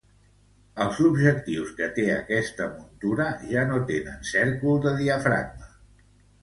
Els objectius que tenen esta muntura ja no tenen cércol de diafragma.